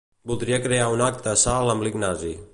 Voldria crear un acte a Salt amb l'Ignasi.